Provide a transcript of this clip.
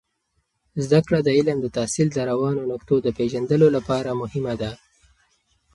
زده کړه د علم د تحصیل د روانو نقطو د پیژندلو لپاره مهمه ده.